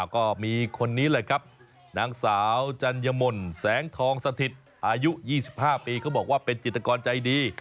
ก็มีคนนี้แหละครับนางสาวจัญมนต์แสงทองสถิตอายุ๒๕ปีเขาบอกว่าเป็นจิตกรใจดี